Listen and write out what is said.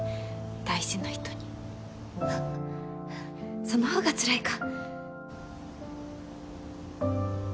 大事な人にあっそのほうがつらいか。